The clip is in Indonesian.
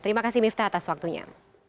terima kasih miftah atas waktunya